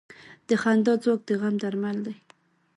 د خندا ځواک د غم درمل دی.